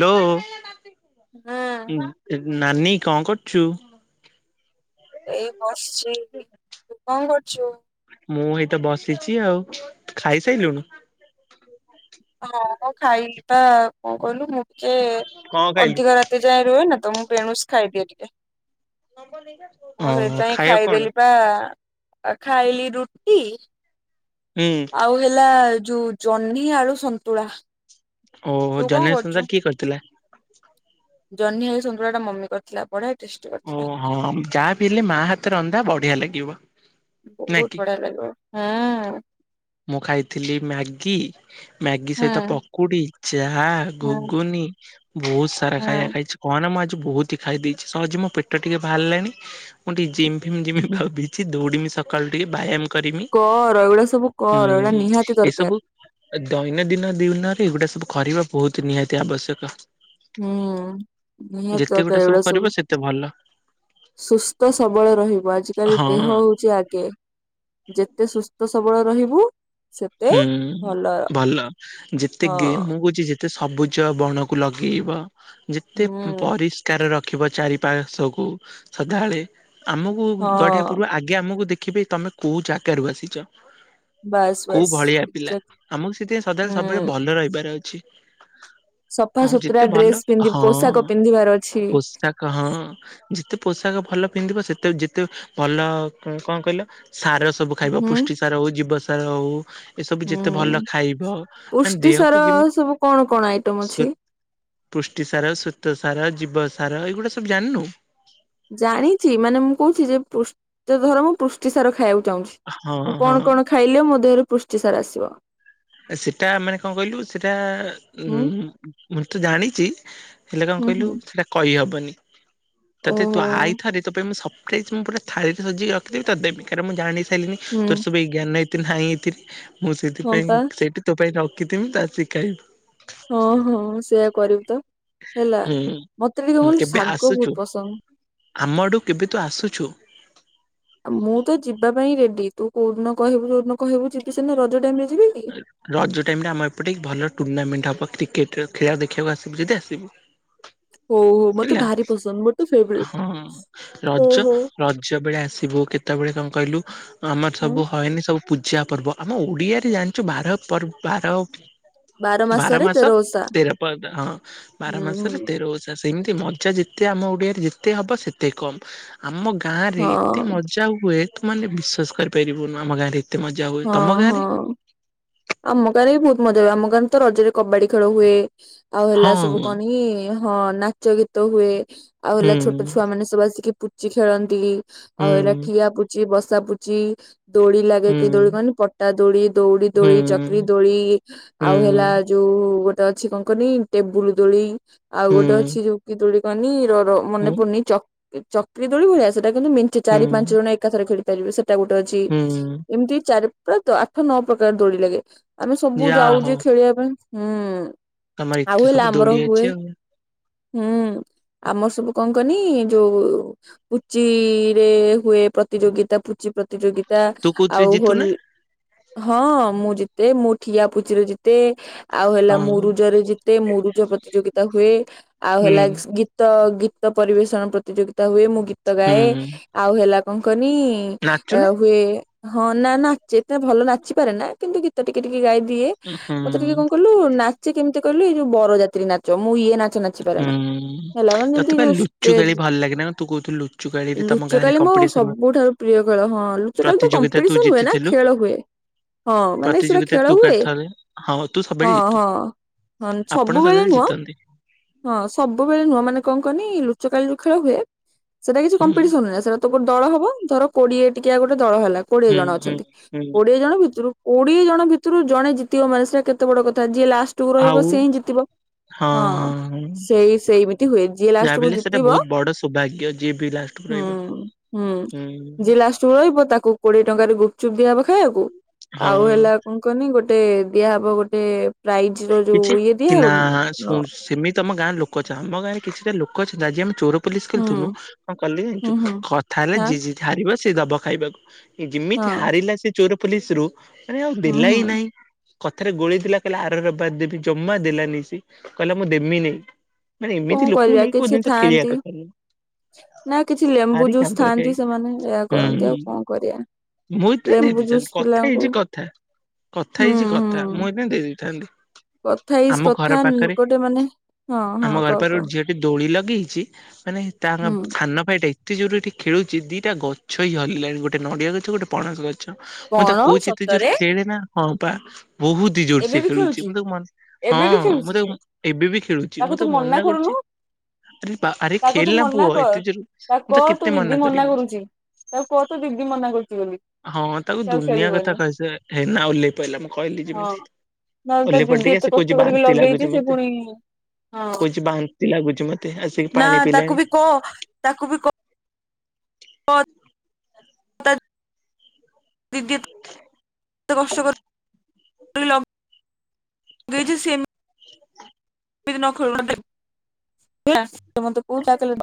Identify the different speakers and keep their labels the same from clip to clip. Speaker 1: Hello
Speaker 2: ହୁଁ
Speaker 1: ଉଁ ଏ ନାନୀ କଣ କରୁଛୁ?
Speaker 2: ଏଇ ବସିଛି, ତୁ କଣ କରୁଛୁ?
Speaker 1: ମୁଁ ଏଇତ ବସିଛି ଆଉ, ତୁ ଖାଇସାରିଲୁଣୁ?
Speaker 2: ହଁ ମ ଖାଇଲି ପା କଣ କହିଲୁ ମୁଁ ଟିକେ
Speaker 1: କଣ ଖାଇଲୁ?
Speaker 2: ଅଧିକ ରାତି ତି ଯାଏଁ ରୁହେ ନା ତ ମୁଁ ବେଣୁସୁ ଖାଇଦିଏ ଟିକେ।
Speaker 1: ଓ
Speaker 2: ମୁଁ ସେଇଥିପାଇଁ
Speaker 1: ଖାଇବାକୁ କଣ?
Speaker 2: ଖାଇଦେଲି ପା ଆ ଖାଇଲି ରୁଟି
Speaker 1: ହୁଁ।
Speaker 2: ଆଉ ହେଲା ଯୋଉ ଜହ୍ନି ଆଳୁ ସନ୍ତୁଳା। ତୁ
Speaker 1: ଓହୋ
Speaker 2: କଣ
Speaker 1: ଜନ୍ହି ସନ୍ତୁଳା କିଏ କରିଥିଲା?
Speaker 2: ଜନ୍ହିଆଳୁ ସନ୍ତୁଳା ଟା ମମି କରିଥିଲା। ବଢିଆ ଟେଷ୍ଟି
Speaker 1: ଓ
Speaker 2: କରିଥିଲା।
Speaker 1: ହଁ ଯାହା ବିି ହେଲେ ମା ହାତରନ୍ଧା ବଢିଆ ଲାଗିବ, ନା କି?
Speaker 2: [unintelligible] ହଁ।
Speaker 1: ମୁଁ ଖାଇଥିଲି ମ୍ୟାଗି ମ୍ୟାଗି ସହିତ
Speaker 2: ହୁଁ
Speaker 1: ପକୁଡି, ଚାହା,
Speaker 2: ହୁଁ
Speaker 1: ଘୁଗୁନି ବହୁତ ସାରା ଖାଇବା
Speaker 2: ହୁଁ।
Speaker 1: ଖାଇଛି। ହଁ ନା ମୁଁ ଆଜି ବହୁତ ହି ଖାଇ ଦେଇଛି ସହଜେ ମୋ ପେଟ ଟିକେ ବାହାରିଲାଣି। ମୁଁ ଟିକେ ଜିମ୍ ଫିମ୍ ଜିମି ଭାବିଛି ଦୌଡିମି ସକାଳୁ ଟିକେ ବ୍ୟାୟାମ କରିମି।
Speaker 2: କର ଏଇଗୁଡା ସବୁ କର ଏଇଗୁଡା
Speaker 1: ହୁଁ
Speaker 2: ନିହାତି
Speaker 1: ଏସବୁ
Speaker 2: ଦରକାର।
Speaker 1: ଦୈନନ୍ଦିନ ଦିନରେ ଏଗୁଡା ସବୁ କରିବା ବହୁତ ନିହାତି ଆବଶ୍ୟକ।
Speaker 2: ହୁଁ ନି
Speaker 1: ଯେତେ
Speaker 2: ତର
Speaker 1: ଗୁଟେ
Speaker 2: କେ
Speaker 1: ସବୁ
Speaker 2: ଏଡ ଶୁ
Speaker 1: କରିବ ସେତେ ଭଲ
Speaker 2: ସୁସ୍ଥ ସବଳ ରହିବ ଆଜିକାଲି
Speaker 1: ହଁ
Speaker 2: ଦେହ ହଉଛି ଆଗେ। ଯେତେ ସୁସ୍ଥ ସବଳ ରହିବୁ ସେତେ ଭଲ
Speaker 1: ହୁଁ ଭଲ ଯେତେ
Speaker 2: ହଁ
Speaker 1: ଗେମ୍ ମୁଁ କହୁଛି ସେ ଯେତେ ସବୁଜ ବଣକୁ ଲଗେଇବ ଯେତେ
Speaker 2: ହୁଁ
Speaker 1: ପରିସ କାର ରଖିବ ଚାରି ପାର୍ଶ୍ୱକୁୁ ସଦାବେଳେ ଆମକୁ ଗଢିବା
Speaker 2: ହଁ
Speaker 1: ପୂର୍ବରୁ ଆଗ ଆଗେ ଆମକୁ ଦେଖିବେ ତମେ କୋଉ ଜାଗାରୁ ଆସିଛ।
Speaker 2: ବାସ୍
Speaker 1: କୋଉ
Speaker 2: ବାସ୍
Speaker 1: ଭଳିଆ ପିଲା
Speaker 2: ଏକ୍ଜାକ୍ଟଲି।
Speaker 1: ଆମକୁ ସେଥିପାଇଁ ସଦାବେଳେ ସବୁବେଳେ
Speaker 2: ହୁଁ
Speaker 1: ଭଲ ରହିବାର ଅଛି। ହଁ
Speaker 2: ସଫାସୁତୁରା
Speaker 1: ଯେତେ ଭଲ
Speaker 2: ଡ୍ରେସ ପିନ୍ଧି
Speaker 1: ହଁ
Speaker 2: ପୋଷାକ ପିନ୍ଧିବାର ଅଛି
Speaker 1: ପୋଷାକ ହଁ ଯେତେ ପୋଷାକ ଭଲ ପିନ୍ଧିବ ସେତେ ଯେତେ ଭଲ ଉଁ କଣ କହିଲ ସାରସ ସବୁ ଖାଇବ
Speaker 2: ହୁଁ
Speaker 1: ପୁଷ୍ଟିସାର ହଉ ଜୀବସାର ହଉ। ଏସବୁ ଯେତେ ଭଲ
Speaker 2: ହୁଁ
Speaker 1: ଖାଇବ ମାନେ
Speaker 2: ପୁଷ୍ଟି ସାର
Speaker 1: ଦେହକୁ ଯେମିତି
Speaker 2: ସବୁ କଣ କଣ ଆଇଟମ ଅଛି
Speaker 1: ସେତ ପୣଷ୍ଟିସାର, ସ୍ୱେତସାର, ଜୀବସାର ଏଇଗୁଡ଼ା ସବୁ ଜାଣିନୁ?
Speaker 2: ଜାଣିଛି ମାନେ ମୁଁ କହୁଛି ଯେ ପୃଷ୍ ଯେ ଧର ମୁଁ ପୃଷ୍ଟିସାର ଖାଇବାକୁ ଚାହୁଁଛି
Speaker 1: ହଁ
Speaker 2: ମୁଁ
Speaker 1: ହଁ
Speaker 2: କଣ କଣ ଖାଇଲେ ମୋ ଦେହରେ ପୣଷ୍ଟିସାର ଆସିବ?
Speaker 1: ସେଟା ମାନେ କଣ କହିଲୁ ସେଟା ଉ
Speaker 2: ହୁଁ
Speaker 1: ମୁଁ ତ ଜାଣିଛି। ହେଲେ କଣ
Speaker 2: ହୁଁ
Speaker 1: କହିଲୁ
Speaker 2: ହୁଁ
Speaker 1: ସେଟା କହିହବନି ତତେ ତୁ
Speaker 2: ଓହୋ
Speaker 1: ଆଇଥରେ ତୋ ପାଇଁ ମୁଁ ସ ମୁଁ ପୁରା ଥାଳିରେସଜିକି ରଖିଥିବି ତତେ ଦେବି। କାରଣ ମୁଁ ଜାଣି ସାରିଲିନି
Speaker 2: ହୁଁ
Speaker 1: ତୋର ସବୁ ଏଇ ଜ୍ଞାନ ଏ ନାହିଁ ଏଥିରେ ମୁଁ
Speaker 2: ହଁ
Speaker 1: ସେଥିପାଇଁ
Speaker 2: ପା
Speaker 1: ସେଇଠି ତୋ ପାଇଁ ରଖିଥିମି ତୁ ଆଶିକି ଖାଇବୁ।
Speaker 2: ହଁ ହଁ ସେୟା କରିବୁ ତ ହେଲା।
Speaker 1: ହୁଁ
Speaker 2: ମତେ ଟିକେ
Speaker 1: ହୁଁ
Speaker 2: ବୋଲି
Speaker 1: କେବେ
Speaker 2: ଶାଗ
Speaker 1: ଆସୁଛୁ
Speaker 2: ବହୁତ ପସନ୍ଦ।
Speaker 1: ଆମ ଆଡ଼ୁକୁ କେବେ ତୁ ଆସୁଛୁ?
Speaker 2: ମୁଁ ତ ଯିବା ପାଇଁ ରେଡି ତୁ କୋଉଦିନ କହିବୁ ଯୋଉଦିନ କହିବୁ ଯିବି ସେଇଦିନ। ରଜ ଟାଇମ ଯିବି କି?
Speaker 1: [unintelligible] ରଜ ଟାଇମ ରେ ଆମର ଏପଟ ଟିକେ ଭଲ ଟୁର୍ଣ୍ଣାମେଣ୍ଟ ହବ କ୍ରିକେଟ ର। ଖେଳ ଦେଖିବାକୁ ଆସିବୁ ଯଦି ଆସିବୁ।
Speaker 2: ହଉ ହୋ ମତେ
Speaker 1: ହେଲା
Speaker 2: ଭାରି ପସନ୍ଦ। ମୋର ତ ଫେବରେଟ।
Speaker 1: ହଁ।
Speaker 2: ହୁଁ
Speaker 1: ରଜ
Speaker 2: ହୁଁ।
Speaker 1: ରଜ ବେଳେ ଆସିବୁ କେତେବେଳେ କଣ କହିଲୁ ଆମର
Speaker 2: ହୁଁ
Speaker 1: ସବୁ ହଏଇନେ ସବୁ ପୂଜା ପର୍ବ ଆମ ଓଡିଆରେ ଜାଣିଛୁ ବାର ପର୍ବ ବାର ବାର
Speaker 2: ମାସରେ
Speaker 1: ମାସ
Speaker 2: ତେର ଓଷା।
Speaker 1: ତେର ପର୍ବ ହଁ ବାର ମାସରେ
Speaker 2: ହୁଁ
Speaker 1: ତେର ଓଷା। ସେମିତି ମଜା ଯେତେ ଆମ ଓଡିଆରେ ଯେତେ ହବ ସେତେ କମ। ଆମ ଗାଁ ରେ ଏତେ ମଜା
Speaker 2: ହଁ
Speaker 1: ମଜା ହୁଏ ତ ମାନେ ବିଶ୍ଵାସ କରିପାରିବୁନି ଆମ ଗାଁରେ ଏତେ ମଜା ହୁଏ ତମ
Speaker 2: ହଁ
Speaker 1: ଗାଁରେ?
Speaker 2: ହଁ। ଆମ ଗାଁରେ ବି ବହୁତ ମଜ ହୁଏ। ଆମ ଗାଁରେ ତ ରଜରେ କବାଡି ଖେଳ ହୁଏ। ଆଉ ହେଲା ସବୁ
Speaker 1: ହଁ
Speaker 2: କଣ କି ହଁ ନାଚ ଗୀତ ହୁଏ। ଆଉ
Speaker 1: ହୁଁ
Speaker 2: ହେଲା ଛୋଟ ଛୋ ଟୁ ଆ ମାନେ ସବୁ ଆସିକି ପୁଚି ଖେଳନ୍ତି ଆଉ ହେଲା
Speaker 1: ହୁଁ
Speaker 2: ଠିଆ ପୁଚି, ବସା ପୁଚି, ଦୋଳି ଲାଗେ।
Speaker 1: ହୁଁ
Speaker 2: କି ଦୋଳି କହନି? ପଟା ଦୋଳି, ଦଉଡି ଦୋଳି,
Speaker 1: ହୁଁ।
Speaker 2: ଚକ୍ରି ଦୋଳି
Speaker 1: ହୁଁ
Speaker 2: ଆଉ ହେଲା ଯୋଉ ଗୋଟ ଟେ ଅଛି କଣ କହନି ଟେବୁଲୁ ଦୋଳି ଆଉ
Speaker 1: ହୁଁ
Speaker 2: ଗୋଟେ ଅଛି ଯୋଉ କି ଦୋଳି କହନି ର ର ମନେ
Speaker 1: ହୁଁ
Speaker 2: ପଡୁନି ଚକ୍ରି ଚକ୍ରି ଦୋଳି ଭଳିଆ ସେଟା କିନ୍ତୁ ମିଞ୍ଚେ
Speaker 1: ହୁଁ
Speaker 2: ଚାରି ପାଞ୍ଚ ଜଣ ଏକାଥରେ ଖେଳି ପାରିବେ ସେ ଏଟା ଗୋଟେ ଅଛି
Speaker 1: ହୁଁ
Speaker 2: ଏମିତି ଚାରି ପ୍ରାୟ ତ ଆଠ ନଅ ପ୍ରକାର ଦୋଳି ଲାଗେ। ଆମେ ସବୁ
Speaker 1: ଯାହା ହଉ।
Speaker 2: ଯାଉଜେ ଖେଳିବା ପାଇଁ ହୁଁ
Speaker 1: ତମର
Speaker 2: ଆଉ
Speaker 1: ଏତେ
Speaker 2: ହେଲା
Speaker 1: ସବୁ
Speaker 2: ଆମର
Speaker 1: ଦୋଳି ଅଛି
Speaker 2: ହୁଏ
Speaker 1: ଆଉ
Speaker 2: ହୁଁ ଆମ ସବୁ କଣ କନି ଯୋଉ ପୁଚିରେ ହୁଏ ପ୍ରତିଯୋଗିତା ପୁଚି ପ୍ରତିଯୋଗିତା
Speaker 1: ତୁ କୋଉଥିରେ
Speaker 2: ଆଉ
Speaker 1: ଜିତୁ
Speaker 2: ହୋ
Speaker 1: ନା
Speaker 2: ହଁ ମୁଁ ଜିତେ ମୁଁ ଠିଆପୁଚିରେ ଜିତେ। ଆଉ ହେଲା
Speaker 1: ହଁ
Speaker 2: ମୁରୁଜ ରେ ଜିତେ ମୁରୁଜ ପ୍ରତିଯୋଗିତା ହୁଏ ଆଉ
Speaker 1: ହୁଁ।
Speaker 2: ହେଲା ଗୀତ୍ ଗୀତ ଗୀତ ପରିବେଷଣ ପ୍ରତିଯୋଗିତା ହୁଏ ମୁଁ ଗୀତ ଗାଏ
Speaker 1: ହୁଁ
Speaker 2: ଆଉ ହେଲା କଣ କହନି
Speaker 1: ନାଚୁ ନା
Speaker 2: ହୁଏ ହଁ ନା ନାଚେ ତ ଭଲ ନାଚିପାରେ ନା କିନ୍ତୁ ଗୀତ ଟିକେ ଟିକେ ଗାଇଦିଏ। ମତେ
Speaker 1: ହୁଁ
Speaker 2: ଟିକେ କଣ କହିଲୁ ନାଚେ କେମିତି କହିଲୁ ଏଇ ଯୋଉ ବରଜାତ୍ରି ନାଚ ମୁଁ ଇଏ ନାଚ ଚ ନାଚି
Speaker 1: ହୁଁ
Speaker 2: ପରେନା ହେଲା ମାନେ ଯେମିତି
Speaker 1: ତତେ ବା
Speaker 2: ଯୋଉ
Speaker 1: ଲୁଚୁ କାଳି
Speaker 2: ଷ୍ଟେଜ
Speaker 1: ଭଲ ଲାଗେ ନା କଣ? ତୁ କହୁଥିଲୁ ଲୁଚୁ କାଳିରେ ତମ ଗାଁରେ
Speaker 2: ଲୁଚକାଳି ମୋ
Speaker 1: କମ୍ପିଟିସନ
Speaker 2: ସବୁଠାରୁ ପ୍ରିୟ ଖେଳ ହଁ ଲୁଚକାଳି ତ
Speaker 1: ପ୍ରତିଯୋଗିତା ତୁ
Speaker 2: କମ୍ପିଟିସନ ହୁଏ ନା
Speaker 1: ଜିତିଥିଲୁ
Speaker 2: ଖେଳ ହୁଏ। ହଁ ମାନେ ସେଟା
Speaker 1: ପ୍ରତିଯୋଗିତା
Speaker 2: ଖେଳ
Speaker 1: ତୁ କାଲି
Speaker 2: ହୁଏ
Speaker 1: ଥରେ ହଁ ତୁ ସବୁବେଳେ
Speaker 2: ହଁ
Speaker 1: ଜିତୁ।
Speaker 2: ହଁ। ହଁ
Speaker 1: ଆପଣ
Speaker 2: ସବୁବେଳେ ନୁହଁ।
Speaker 1: [unintelligible]
Speaker 2: ହଁ ସବୁବେଳେ ନୁହଁ ମାନେ କଣ କନି ଲୁଚକାଳି ଯୋଉ ଖେଳ ହୁଏ ସେଟା କିଛି
Speaker 1: ହୁଁ
Speaker 2: କମ୍ପିଟିସନ ନୁହେଁ ସେଟା ତ ଗୋଟ ଦଳ ହବ ଧର କୋଡିଏ ଟିକିଆ ଗୋଟେ ଦଳ ହେଲା କୋଡିଏ
Speaker 1: ହୁଁ
Speaker 2: ଜଣ
Speaker 1: ହୁଁ
Speaker 2: ଅଛନ୍ତି
Speaker 1: ହୁଁ
Speaker 2: କୋଡିଏ ଜଣ ଭିତରୁ କୋଡିଏ ଜଣ ଭିତରୁ ଜଣେ ଜିତିବ ମାନେ ସେଟା କେତେ ବଡ କଥା ଯିଏ ଲାଷ୍ଟ ତୁ ରହିବୁ
Speaker 1: ଆଉ
Speaker 2: ସିଏ ହିଁ ଜିତିବ ହଁ। ସେଇ ସେଇମିତି ହୁଏ ଯିଏ ଲାଷ୍ଟ
Speaker 1: ଯାହାବି
Speaker 2: କୁ
Speaker 1: ହେଲେ ସେଟା
Speaker 2: ଜିତିବ
Speaker 1: ବହୁତ ବଡ ସୌଭାଗ୍ୟ ଯିଏ ବି ଲାଷ୍ଟକୁ
Speaker 2: ହୁଁ।
Speaker 1: ରହିବ
Speaker 2: ହୁଁ ଯିଏ ଲାଷ୍ଟ ଚୁଳେଇବ ତାକୁ କୋଡିଏ ଟଙ୍କାରେ ଗୁପଚୁପ ଦିଆହବ ଖାଇବାକୁ ଆଉ
Speaker 1: ହଁ।
Speaker 2: ହେଲା କଣ କହନି ଗୋଟେ ଦିଆହବ ଗୋଟେ ପ୍ରାଇଜ ର
Speaker 1: କିଛି
Speaker 2: ଯୋଉ ଇଏ
Speaker 1: କି ନା ଶୁ
Speaker 2: ଦିଆହବ।
Speaker 1: ସେମିତି ତମ ଗାଁ ର ଲୋକ ଚାହାଁ ଆମ ଗାଁରେ କିଛିଟା ଲୋକଛନ୍ତି ରାଜି ଆମ ଚୋର ପୋଲିସ
Speaker 2: ହୁଁ
Speaker 1: ଖେଳଥୁନୁ କଣ କାଲି ଜ
Speaker 2: ହୁଁ ହୁଁ
Speaker 1: କଥା ହେଲେ
Speaker 2: ହଁ
Speaker 1: ଯି ଯି ହାରିବ ସେ ଦବ ଖାଇବାକୁ। ସେ ଯେମିତି ହାରିଲା ସେ ଚୋର ପୋଲିସ ରୁ ମାନେ ଆଉ
Speaker 2: ହଁ
Speaker 1: ଦେଲ
Speaker 2: ହୁଁ ହୁଁ
Speaker 1: ନାହିଁ କଥାରେ ଗୋଳେଇ ଦେଲା କହିଲା ଆ ଆର ରବା ଦେବି ଜମା ଦେଲାନି ସେ କହିଲା ମୁଁ ଦେମି ନି। ମାନେ
Speaker 2: କଣ
Speaker 1: ଏମିତି ଲୋକଙ୍କୁ
Speaker 2: କରିବା
Speaker 1: ନେଇକି କଉ
Speaker 2: କିଛି
Speaker 1: ଜିନିଷ ଖେଳିବା
Speaker 2: ଥାଆନ୍ତି
Speaker 1: କଥା ନୁ।
Speaker 2: ନା କିଛି ଲେମ୍ବୁ ଜୁସ୍ ଥାଆନ୍ତି ସେମାନେ ଏଆ କରନ୍ତି ଆଉ କଣ କରିବା।
Speaker 1: ମୁଇଁ ଏ [unintelligible]
Speaker 2: ଲେମ୍ବୁ ଜୁସ୍
Speaker 1: ଦେଇଦେଇଥାଛନ୍ତି କଥା
Speaker 2: ପିଲାଙ୍କୁ
Speaker 1: ହେଇଛି କଥା କଥା
Speaker 2: ହୁଁ
Speaker 1: ହେଇଛି କଥା
Speaker 2: ହୁଁ
Speaker 1: ମୁଇ ଦେଇଦଥା
Speaker 2: କଥା ଇଜ
Speaker 1: ଆମ ଘର
Speaker 2: କଥା
Speaker 1: ପାଖରେ
Speaker 2: ଗୋଟେ ମାନେ ହଁ ହଁ
Speaker 1: ଆମ ତାର
Speaker 2: କହ କହ
Speaker 1: ଗୋଟେ ଝିଅଟେ ଦୋଳି ଲଗେଇଛି ମାନେ ତାଙ୍କ
Speaker 2: ହୁଁ।
Speaker 1: ସାନ ଭାଇଟେ ଏତେ ଯୋରରେ ଏଠି ଖେଳୁଛି ଦିଟା ଗଛ ହି ହଲିଲାଣି ଗୋଟେ ନଡିଆ ଗଛ ଗୋଟେ ପଣସ ଗଛ। ଛ ମୁଁ ତ
Speaker 2: କଣ
Speaker 1: କହୁଛି ଏତେ ଜୋର
Speaker 2: ସତରେ
Speaker 1: ଖେଳେ ନା ହଁ ପା ବହୁତ୍ ହି ଜୋର୍ ସେ
Speaker 2: ଏବେ ବି
Speaker 1: ଖେଳୁଛି ମୁ ତାକୁ ମନ୍ ହଁ
Speaker 2: ଏବେ ବି
Speaker 1: ମୁଁ
Speaker 2: ଖେଳୁଛି ସେ
Speaker 1: ତାକୁ ଏବେ ବି ଖେଳୁଛି ମୁ ତାକୁ ମନା କରୁଛି। ଆରେ ବା ଆର
Speaker 2: ତାକୁ ତୁ
Speaker 1: ଖେଲା
Speaker 2: ମନା
Speaker 1: ପୁଅ
Speaker 2: କର
Speaker 1: ଏତେ ଯୋରୁ
Speaker 2: ତା
Speaker 1: ମୁ
Speaker 2: କହ
Speaker 1: ତ
Speaker 2: ତୋ
Speaker 1: କେତେ
Speaker 2: ଦିଦି
Speaker 1: ମନା କରିବୁ।
Speaker 2: କରୁଛି ତାକୁ କହ ତୋ ଦିଦି ମନା କରୁଛି ବୋଲି
Speaker 1: ହଁ ତାକୁ
Speaker 2: ସେ ଆଉ
Speaker 1: ଦୁନିଆ କଥା
Speaker 2: ଖେଳିବନି
Speaker 1: କହି ସା ହେଇ ନା ଓହ୍ଲେଇ ପଇଲା ମୁଁ କହିଲି
Speaker 2: ହଁ।
Speaker 1: ଯେମିତି।
Speaker 2: ନହେଲେ ତେ
Speaker 1: ଓହ୍ଲେଇ
Speaker 2: ବିନ୍ଦି
Speaker 1: ପଡିକି ଆସି
Speaker 2: ଏତେ
Speaker 1: କହୁଛି
Speaker 2: କଷ୍ଟ କରିକି
Speaker 1: ବାନ୍ତି ଲାଗୁଛି
Speaker 2: ଲଗେଇଛି ସେ
Speaker 1: ମତେ।
Speaker 2: ପୁଣି ହଁ
Speaker 1: କହୁଛି ବାନ୍ତି ଲାଗୁଛି ମତେ ଆସିକି
Speaker 2: ନା
Speaker 1: ପାଣି ପିଇଲାଣି
Speaker 2: ତାକୁ ବି କହ ତାକୁ ବି କ ପର [unintelligible] ଏତେ କଷ୍ଟ
Speaker 1: ଁ
Speaker 2: କର୍ [unintelligible] ଦେଇଛି ସେମ [unintelligible] ଖେଳ ମତେ କହୁ କଲେ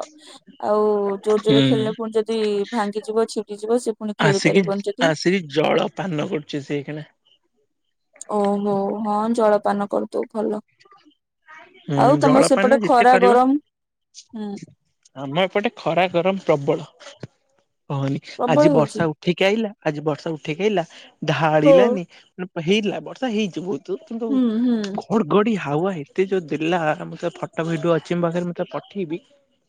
Speaker 2: ଆଉ ଜୋର ଜୋରରେ
Speaker 1: ହୁଁ।
Speaker 2: ଖେଳିଲେ ପୁଣି ଯଦି ଭାଙ୍ଗିଯିବ ଛିଟିଯିବ ସେ ପୁଣି ଖେଳି ପାରିବନି ଯଦି।
Speaker 1: ଆସ ଜଳ ପାନ କରୁଛି ସେଇ କିଣା
Speaker 2: ଓହୋ ହଁ ଜଳପାନ କରିଦେଉ ଭଲ।
Speaker 1: ହୁଁ
Speaker 2: ଆଉ ତମର
Speaker 1: ଜଳପାନ
Speaker 2: ସେପଟେ
Speaker 1: ଯେତେ
Speaker 2: ଖରା
Speaker 1: କରିବ
Speaker 2: ଗରମ ହୁଁ।
Speaker 1: ଆମ ଏପଟେ ଖରା ଗରମ ପ୍ରବଳ କହନି ଆଜି
Speaker 2: ପ୍ରବଳ ହଉଛି।
Speaker 1: ବର୍ଷା ଉ ଉଠେଇକି ଆଇଲା ଆଜି ବର୍ଷାକୁ ଉଠେଇକି ଆଇଲା
Speaker 2: ହଁ।
Speaker 1: ଢାଳିଲାନି ହେଇଲା ବର୍ଷା ହେଇଛି ବହୁତ। କିନ୍ତୁ
Speaker 2: ହୁଁ ହୁଁ
Speaker 1: କଣ ଗଡି ହାୱା ଏତେ ଯୋଉ ଦେଲା ମୁଁ ତ ଫଟୋ ଭିଡିଓ ଅଛି ମୋ ପାଖରେ ମୁଁତ ପଠେଇବି।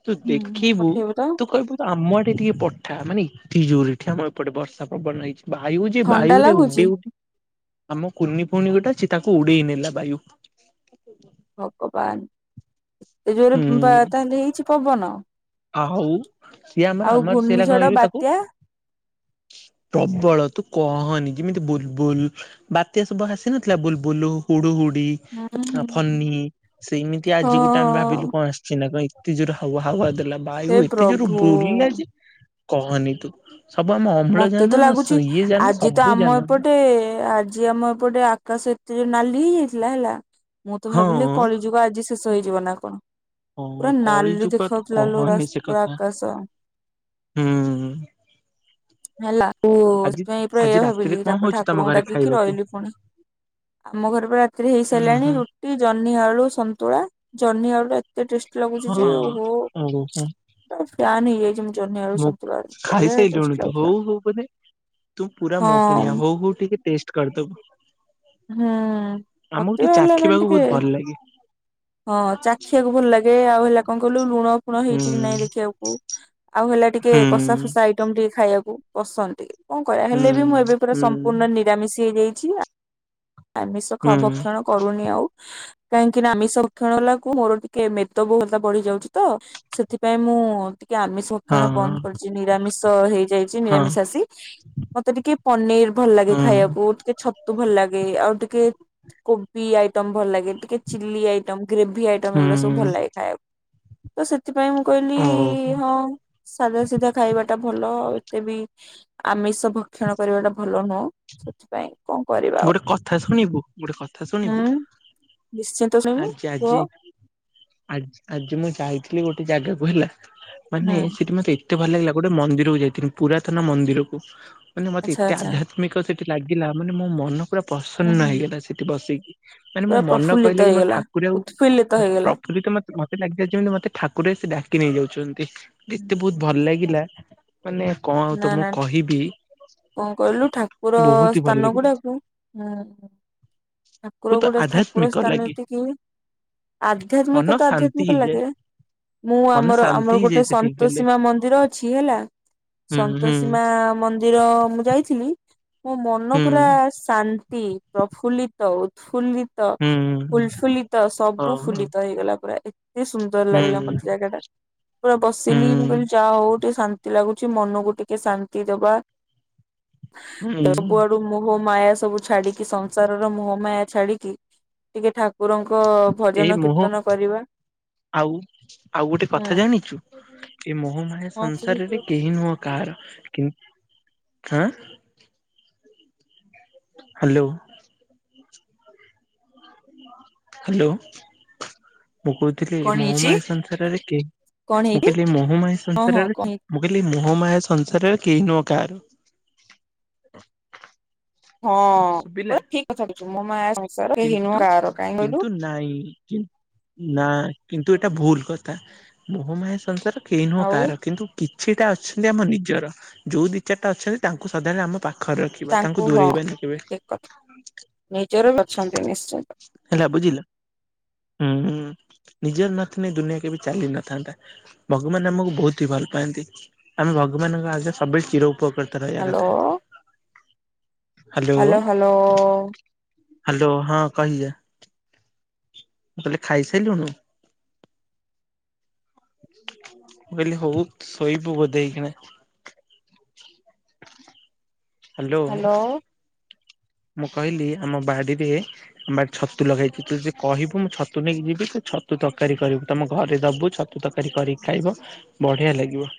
Speaker 1: ତୁ
Speaker 2: ହୁଁ
Speaker 1: ଦେଖିବୁ
Speaker 2: ପଠେଇବୁ ତ
Speaker 1: ତୁ କହିବୁ। ତ ଆମ ଆଡେ ଟିକେ ପଠା ମାନେ ଏତେ ଜୋରେ ଆମ ଏପଟେ ବର୍ଷା ପବନ ହେଇଛି। ବାୟୁ ଯେ
Speaker 2: ଥଣ୍ଡା
Speaker 1: ବାୟୁରେ
Speaker 2: ଲାଗୁଛି
Speaker 1: ଉଡେଇ ଉଠ ଆମ କୁନି ଫୁଣି ଗୋଟା ସେ ତାକୁ ଉଡେଇ ନେଲା ବାୟୁ। ହ
Speaker 2: ଭଗବାନ ଏତେ ଜୋରେ ବା
Speaker 1: ହୁଁ
Speaker 2: ତାହେଲେ ହେଇଛି ପବନ?
Speaker 1: ଆଉ ସିଏ ଆମର
Speaker 2: ଆଉ
Speaker 1: ଆମର ସେ ଲ
Speaker 2: ଘୂର୍ଣ୍ଣିଝଡ
Speaker 1: [unintelligible] ତାକୁ
Speaker 2: ବାତ୍ୟା
Speaker 1: ପ୍ରବଳ ତୁ କହନି ଯେମିତି ବୁଲୁ ବୁଲୁ ବାତ୍ୟା ସବୁ ହସି ନଥିଲା ବୁଲବୁଲ ହୁଡୁ ହୁଡି।
Speaker 2: ହୁଁ ହୁଁ
Speaker 1: ଆ
Speaker 2: ହୁଁ।
Speaker 1: ଫନି ସେମିତି ଆଜି ଗୋଟେ ଆମେ ଭାବିଲୁ
Speaker 2: ହଁ
Speaker 1: କଣ ଆସି ସିନା କଣ ଏତେ ଜୋର ହା ହାୱା ଦେଲା ବାୟୁ
Speaker 2: ହେ
Speaker 1: ଏତେ ଜୋର
Speaker 2: ପ୍ରଭୁ
Speaker 1: ବୁଲିଲା ଯେ କହନି ତୁ ସବୁ ଆମ
Speaker 2: ମତେ ତ
Speaker 1: ଅମ୍ଳଜାନ
Speaker 2: ଲାଗୁଛି
Speaker 1: ଇଏ ଯାନ
Speaker 2: ଆଜି ତ
Speaker 1: ସବୁ
Speaker 2: ଆମ
Speaker 1: ଯାନ
Speaker 2: ଏପଟେ ଆଜି ଆମ ଏପଟେ ଆକାଶ ଏତେ ଜୋରେ ନାଲି ହେଇଯାଇଥିଲା ହେଲା ମୁଁ ତ
Speaker 1: ହଁ
Speaker 2: ଭାବିଲି କଳିଯୁଗ ଆଜି ଶେଷ ହେଇଯିବ ନା କଣ
Speaker 1: ହଁ
Speaker 2: ପୁରା
Speaker 1: କଳି
Speaker 2: ନାଲି
Speaker 1: ଯୁଗ ତୁ
Speaker 2: ଦେଖାଉଥିଲା ଲୋ
Speaker 1: କହନି
Speaker 2: ପୁରା ଆକାଶ।
Speaker 1: ଉ ହୁଁ।
Speaker 2: ହେଲା କୁ
Speaker 1: ଆଜି
Speaker 2: ସେଥିପାଇଁ
Speaker 1: ଆଜି
Speaker 2: ଏଇଆ
Speaker 1: ରାତିରେ
Speaker 2: ଭାବିଲି
Speaker 1: କଣ
Speaker 2: ତାପରେ
Speaker 1: ହଉଛି ତମ
Speaker 2: ଠାକୁରଙ୍କୁ
Speaker 1: ଘରେ
Speaker 2: ଡାକିକି
Speaker 1: ଖାଇବାକୁ?
Speaker 2: ରହିଲି ପୁଣି। ଆମ ଘରେ ପା ରାତିରେ ହେଇ
Speaker 1: ହୁଁ
Speaker 2: ସାରିଲାଣି
Speaker 1: ହୁଁ
Speaker 2: ରୁଟି ଜହ୍ନି ଆଳୁ ସନ୍ତୁଳା ଜହ୍ନି ଆଳୁ ଏତେ ଟେଷ୍ଟି ଲାଗୁଛି
Speaker 1: ହଁ
Speaker 2: ଯେ ଓହୋ
Speaker 1: ଓହୋ
Speaker 2: ଫ୍ୟାନ୍ ହେଇଯାଇଛି ମୁଁ। ଜନ୍ନି ଆଳୁ
Speaker 1: ମୁଁ
Speaker 2: ସନ୍ତୁଳା ଭଡ଼ିଆ କ
Speaker 1: ଖାଇସାରିଲୁଣି ହଉ ହଉ ବୋଧେ ତୁ ପୁରା ମୋ ପୁଣିଆ
Speaker 2: ହଁ।
Speaker 1: ହଉ ହଉ ଟିକେ ଟେଷ୍ଟ କରିଦବୁ
Speaker 2: ହୁଁ ମତେ ବି ଭଲ ମାନ ଟିକେ
Speaker 1: ଲାଗି
Speaker 2: ହଁ ଚାଖିଆକୁ ଭଲ ଲାଗେ ଆଉ ହେଲା କଣ କି ଲୁଣ ଲୁଣ
Speaker 1: ହୁଁ
Speaker 2: ହେଇଛି କି ନାଇଁ ଦେଖିବାକୁ ଆଉ ହେଲା ଟିକେ କସା
Speaker 1: ହୁଁ।
Speaker 2: ଫସା ଏଇ ଟିମ ଟିକେ ଖାଇବାକୁ ପସନ୍ଦ ଟିକେ କଣ କରିବା
Speaker 1: ହୁଁ
Speaker 2: ହେଲେ ବି ମୁଁ ଏବେ ପୁରା
Speaker 1: ହୁଁ
Speaker 2: ସମ୍ପୂର୍ଣ୍ଣ ନିରାମିଷ ହେଇଯାଇଛି। ଆମିଷ ଖା
Speaker 1: ହୁଁ
Speaker 2: ଭକ୍ଷଣ କରୁନି ଆଉ କାହିଁକି ନା ଆମି ଭକ୍ଷଣ ହେଲାକୁ ମୋର ଟିକେ ମେଦ ବହୁଳତା ବଢି ଯାଉଛି ତ ସେଥିପାଇଁ ମୁଁ ଟିକେ ଆମିଷ ଭକ୍ଷଣ
Speaker 1: ହଁ
Speaker 2: ବନ୍ଦ କରିଛି ନିରାମିଷ ହେଇଯାଇଛି
Speaker 1: ହଁ
Speaker 2: ନିରାମିଷ ଆସି ମତେ ଟିକେ ପନିର ଭଲ ଲାଗେ
Speaker 1: ହୁଁ
Speaker 2: ଖାଇବାକୁ ଟିକେ ଛତ ତୁ ଭଲ ଲାଗେ ଆଉ ଟିକେ କୋବି ଆଇଟମ ଭଲ ଲାଗେ ଟିକେ ଚିଲି ଆଇଟମ ଗ୍ରେଭି ଆଇ ଗୁଡା ସବୁ
Speaker 1: ହୁଁ।
Speaker 2: ଭଲ ଲାଗେ ଖାଇବାକୁ ତ ସେଥିପାଇଁ ମୁଁ କହିଲି
Speaker 1: ଓହୋ
Speaker 2: ହଁ। ସାଧା ସିଧା ଖାଇବାଟା ଭଲ ଏତେ ବି ଆମିଷ ଭକ୍ଷଣ କରିବାଟା ଭଲ ନୁହଁ। ସେଥିପାଇଁ କଣ କରି
Speaker 1: ଗୋଟେ କଥା ଶୁଣିବୁ ଗୋଟେ କଥା ଶୁଣିବୁ
Speaker 2: ହୁଁ। ନିଶ୍ଚିନ୍ତ ଶୁଣିବି
Speaker 1: ଆଜି
Speaker 2: କୁହ।
Speaker 1: ଆଜି ଆ ଆଜି ମୁଁ ଯାଇଥିଲି ଗୋଟେ ଜାଗାକୁ ହେଲା
Speaker 2: ହୁଁ
Speaker 1: ମାନେ ସେଠି ମତେ ଏ ଏତେ ଭଲ ଲାଗିଲା ଗୋଟେ ମନ୍ଦିରକୁ ଯାଇଥିଲି ପୁରାତନ ମନ୍ଦିରକୁ ମାନେ ମତେ
Speaker 2: ଆଚ୍ଛା
Speaker 1: ଏତେ
Speaker 2: ଆଚ୍ଛା
Speaker 1: ଆଧ୍ୟାତ୍ମିକ ମିକ ସେଠି ଲାଗିଲା ମାନେ ମୋମନ ପୁରା
Speaker 2: ହୁଁ
Speaker 1: ପ୍ରସନ୍ନ
Speaker 2: ହୁଁ
Speaker 1: ହେଇଗଲା ସେଠି ବସିକି। ମାନେ
Speaker 2: ପୁରା
Speaker 1: ମଁମନ
Speaker 2: ପ୍ରଫୁଲ୍ଲିତ
Speaker 1: କହିଲାକି
Speaker 2: ହେଇଗଲା
Speaker 1: ମୋଠାକୁରେ ଆଉ
Speaker 2: ଉତ୍ଫୁଲ୍ଲିତ
Speaker 1: ମତେ
Speaker 2: ହେଇଗଲା।
Speaker 1: ପ୍ରକୃତି ମତେ--‌ ମତେ ଲାଗିଲା ଯେମିତି ମତେ ଠାକୁରେ ଆସି ଡାକିନେଇ ଯାଉଛନ୍ତି
Speaker 2: ହୁଁ
Speaker 1: ଏତେ
Speaker 2: ହୁଁ।
Speaker 1: ବହୁତ୍ ଭଲ ଲାଗିଲା। ମାନେ କଣ ଆଉ
Speaker 2: ନା
Speaker 1: ତମକୁ
Speaker 2: ନା
Speaker 1: କହିବି ବହୁତ୍ ହିଁ ଭଲ ଲାଗିଲା।
Speaker 2: ଠାକୁ ହୁଁ ଠାକୁର
Speaker 1: ବହୁତ
Speaker 2: ଗୋଟେ ଠାକୁର
Speaker 1: ଆଧ୍ୟାତ୍ମିକ
Speaker 2: ସ୍ଥାନ
Speaker 1: ଲାଗେ
Speaker 2: ଏତିକି
Speaker 1: ମନ
Speaker 2: ଆଧ୍ୟାତ୍ମିକତା
Speaker 1: ଶାନ୍ତି
Speaker 2: ଆଧ୍ୟାତ୍ମିକ
Speaker 1: ହେଇଯାଏ
Speaker 2: ଲାଗେ ମୁଁ
Speaker 1: ମନ
Speaker 2: ଆମର
Speaker 1: ଶାନ୍ତି
Speaker 2: ଆମର ଗୋଟେ
Speaker 1: ହେଇଯାଏ ସେଠିକି ଗଲେ।
Speaker 2: ସନ୍ତୋସୀମା ମନ୍ଦିର ଅଛି ହେଲା
Speaker 1: ହୁଁ ହୁଁ
Speaker 2: ସନ୍ତୋସୀମା ମନ୍ଦିର ମୁଁ ଯାଇଥିଲି ମୋମନ
Speaker 1: ହୁଁ
Speaker 2: ପୁରା ଶା ନ୍ତି ପ୍ରଫୁଲ୍ଲିତ ଉତ୍ଫୁଲ୍ଲି ତ
Speaker 1: ହୁଁ
Speaker 2: ଫୁଲଫୁଲିତ ସବୁ
Speaker 1: ହଁ ହଁ
Speaker 2: ଫୁଲିତ ହେଇଗଲା ପୁରା ଏ କେତେ ସୁନ୍ଦର ଲାଗିଲା
Speaker 1: ହୁଁ
Speaker 2: ମତେ ଜାଗାଟା ପୁରା ବସିଲି ମୁଁ
Speaker 1: ହୁଁ।
Speaker 2: କହିଲି ଯାହା ହଉ ଟିକେ ଶାନ୍ତି ଲାଗୁ ଚି ମନକୁ ଟିକେ ଶାନ୍ତି ଦବା
Speaker 1: ହୁଁ
Speaker 2: ସବୁଆଡ଼ୁ ମୋହ ମାୟା ସବୁ ଛାଡ଼ି କି ସଂସାରର ମୋହମାୟା ଛାଡ଼ିକି ଟିକେ ଠାକୁରଙ୍କ
Speaker 1: ଏଇ
Speaker 2: ଭଜନ
Speaker 1: ମୋହ
Speaker 2: କୀର୍ତ୍ତନ କରିବା
Speaker 1: ଆଉ ଆଉ ଗୋଟେ
Speaker 2: ହୁଁ
Speaker 1: କଥା ଜାଣିଛୁ ଏମୋହ ମା ୟା
Speaker 2: ହଁ ସେମିତି
Speaker 1: ସଂସାରରେ କେହି ନୁହେଁ କାହାର କି ଆଁ ହାଲୋ। ହାଲୋ ମୁଁ କହୁଥିଲି
Speaker 2: କଣ ହେଇଛି?
Speaker 1: ମୋହମାୟା ସଂସାରରେ କେ
Speaker 2: କଣ
Speaker 1: ମୁଁ
Speaker 2: ହେଇଛି
Speaker 1: କହିଲି ମୋହମାୟା
Speaker 2: ହଁ ହଁ
Speaker 1: ସଂସାରରେ
Speaker 2: କଣ ହେଇଛି?
Speaker 1: ମୁଁ କହିଲି ମୋହମାୟା ସଂସାରରେ କେହି ନୁହଁ କାହାର।
Speaker 2: ହଁ ପୁରା
Speaker 1: ଶୁଭିଲା
Speaker 2: ଠିକ୍ କଥା କହିଛୁ ମୋହ ମାୟା ସଂସାର କେହି
Speaker 1: କିନ୍ତୁ
Speaker 2: ନୁହଁ କାହାର କାଇହିଁ କହିଲୁ?
Speaker 1: କିନ୍ତୁ ନାଇଁ କି ନା କିନ୍ତୁ ଏଇଟା ଭୁଲ କଥା ମୋହମାୟ ସଂସାର କେହି ନୁହଁ
Speaker 2: ଆଉ
Speaker 1: କାହାର କିନ୍ତୁ କିଛିଟା ଅଛନ୍ତି ଆମ ନିଜର ଯୋଉ ଦିଇ ଚାରିଟା ଅଛନ୍ତି ତାଙ୍କୁ ସଧାବେଳେ ଆମ ପାଖରେ ରଖିବା ତାଙ୍କୁ ଦୂରେଇବାନି କେବେ।
Speaker 2: କ ନିଜର ଅଛନ୍ତି ନିଶ୍ଚିନ୍ତ।
Speaker 1: ହେଲା ବୁଝିଲ ହୁଁ ନିଜର ନଥିଲେ ଦୁନିଆ କେବେ ଚାଲି ନଥାନ୍ତା। ଭଗବାନ୍ ଆମକୁ ବହୁତହି ଭଲ ପାଆନ୍ତି ଆମେ ଭଗବାନଙ୍କ ଆଗରେ ସବୁବେଳେ ଚିର ଉପକ୍ରୁ ରହିବା
Speaker 2: ହ୍ୟାଲୋ
Speaker 1: କଥା ହାଲୋ।
Speaker 2: ହ୍ୟାଲୋ ହ୍ୟାଲୋ
Speaker 1: ହାଲୋ ହଁ କହିଯା। ତାହେଲେ ଖାଇସାଇଲୁଣୁ। ମୁଁ କହିଲି ହଉ ଶୋଇବୁ ବୋଧେଏଇଖିଣା? ହାଲୋ।
Speaker 2: ହ୍ୟାଲୋ
Speaker 1: ମୁଁ କହିଲି ଆମ ବାଡ଼ିରେ ଆମ ବାଡ଼ିରେ ଛତୁ ଲଗାହେଇଛିି ତୁଯଦି କହିବୁମୁଁ ଛତୁ ନେଇକି ଯିବିତୁ ଛତୁ ତରକାରୀ କରିବୁ ତମ ଘରେ ଦବୁ ଛ ତୁ ତରକାରୀ କରିକି ଖାଇବ ବଢ଼ିଆ ଲାଗିବ।